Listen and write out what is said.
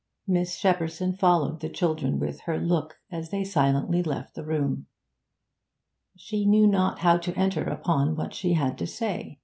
"' Miss Shepperson followed the children with her look as they silently left the room. She knew not how to enter upon what she had to say.